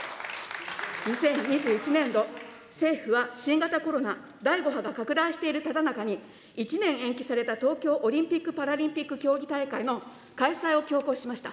２０２１年度、政府は、新型コロナ第５波が拡大しているただ中に１年延期された東京オリンピック・パラリンピック競技大会の開催を強行しました。